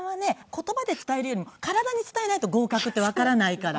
言葉で伝えるよりも体に伝えないと合格ってわからないから。